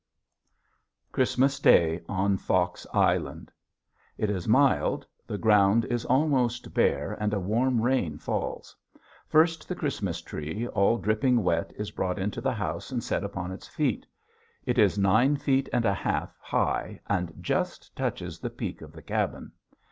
Christmas Day on Fox Island. It is mild; the ground is almost bare and a warm rain falls. First the Christmas tree all dripping wet is brought into the house and set upon its feet. It is nine feet and a half high and just touches the peak of the cabin.